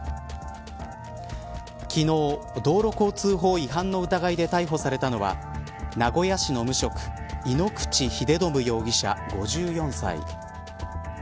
昨日、道路交通法違反の疑いで逮捕されたのは名古屋市の無職井ノ口秀信容疑者、５４歳。